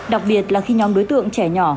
đặc biệt là khi nhóm đối tượng trẻ nhỏ